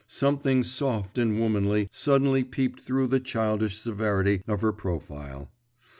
Something soft and womanly suddenly peeped through the childish severity of her profile.